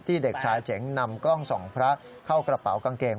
เด็กชายเจ๋งนำกล้องส่องพระเข้ากระเป๋ากางเกง